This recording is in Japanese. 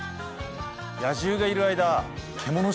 野獣がいる間。